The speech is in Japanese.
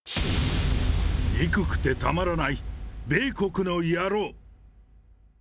憎くてたまらない米国の野郎。